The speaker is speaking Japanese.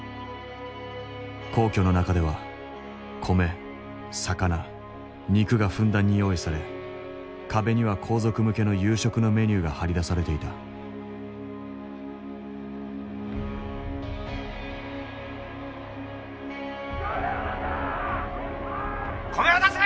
皇居の中では米魚肉がふんだんに用意され壁には皇族向けの夕食のメニューが貼り出されていた米を出せ！